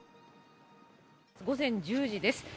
午前１０時です。